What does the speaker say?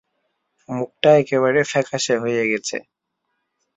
মুখটা একেবারে ফ্যাকাসে হয়ে গেছে।